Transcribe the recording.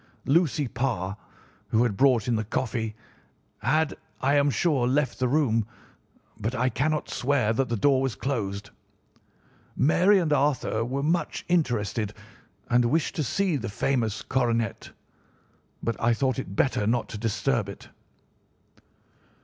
Lucy Parr, who had brought in the coffee, had, I am sure, left the room; but I cannot swear that the door was closed. Mary and Arthur were much interested and wished to see the famous coronet, but I thought it better not to disturb it.